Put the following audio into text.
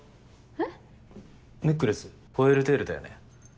ネックレスホエールテールだよね？